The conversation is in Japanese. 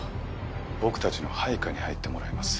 僕たちの配下に入ってもらいます。